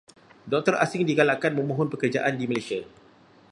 Doktor asing digalakkan memohon pekerjaan di Malaysia.